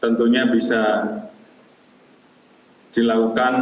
tentunya bisa dilakukan upaya